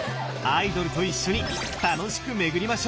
アイドルと一緒に楽しく巡りましょう！